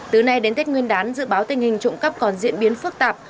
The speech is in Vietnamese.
từ nay đến tết nguyên đán dự báo tình hình trộm cắp còn diễn biến phức tạp